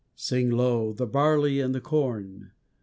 Sing low, the barley and the corn!